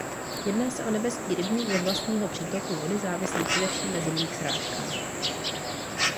Jedná se o nebeský rybník bez vlastního přítoku vody závislý především na zimních srážkách.